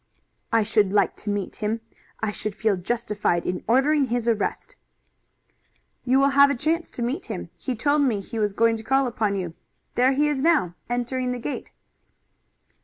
"I should like to meet him. I should feel justified in ordering his arrest." "You will have a chance to meet him. He told me he was going to call upon you there he is now, entering the gate."